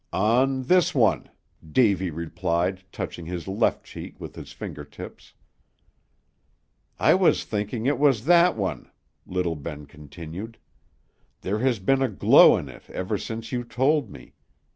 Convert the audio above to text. "On this one," Davy replied, touching his left cheek with his finger tips. "I was thinking it was that one," little Ben continued. "There has been a glow in it ever since you told me.